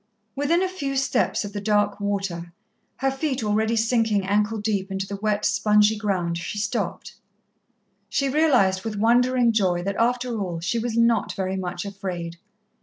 Within a few steps of the dark water, her feet already sinking ankle deep into the wet, spongy ground, she stopped. She realized with wondering joy that, after all, she was not very much afraid.